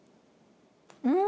うん。